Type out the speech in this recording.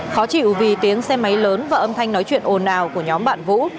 khó chịu vì tiếng xe máy lớn và âm thanh nói chuyện ồn ào của nhóm bạn vũ